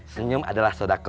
senyum adalah sodako